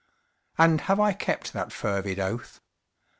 And have I kept that fervid oath?